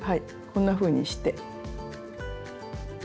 こんなふうにして。